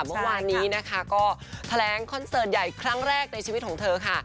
เมื่อวานนี้นะคะก็แถลงคอนเสิร์ตใหญ่ครั้งแรกในชีวิตของเธอค่ะ